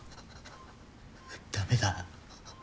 駄目だ。